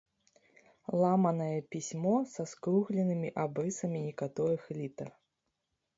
Ламанае пісьмо са скругленымі абрысамі некаторых літар.